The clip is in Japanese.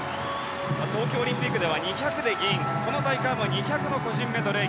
東京オリンピックでは２００ｍで銀この大会も２００ｍの個人メドレー